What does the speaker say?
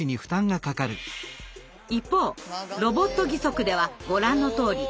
一方ロボット義足ではご覧のとおり。